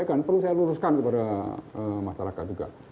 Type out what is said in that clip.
itu bisa diperlukan oleh masyarakat juga